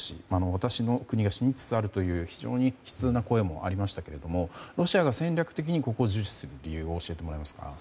私の国が死につつあるという悲痛な声もありましたがロシアが戦略的に重視している理由を教えていただけますか。